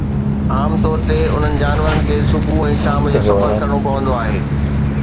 عام طور تي، انهن جانورن کي صبح ۽ شام جو سفر ڪرڻو پوندو آهي